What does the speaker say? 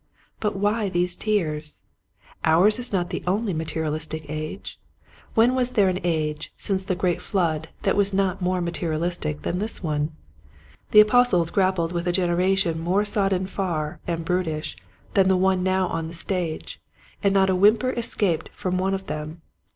But why these tears ? Ours is not the only materialistic age. When was there an age since the great flood that was not more materialistic than this one .'* The apostles grappled with a generation more sodden far and brutish than the one now on the stage, and not a whimper escaped from one of them.